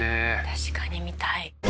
「確かに見たい」